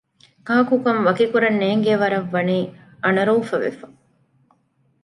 ކާކުކަން ވަކިކުރަން ނޭނގޭ ވަރަށް ވަނީ އަނަރޫފަ ވެފަ